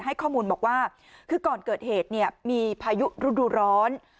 ให้ข้อมูลบอกว่าคือก่อนเกิดเหตุเนี่ยมีพายุฤดูร้อน